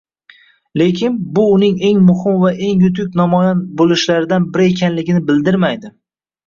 lekin bu uning eng muhim va eng yetuk namoyon bo‘lishlaridan biri ekanligini bildirmaydi